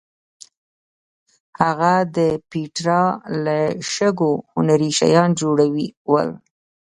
هغه د پېټرا له شګو هنري شیان جوړول.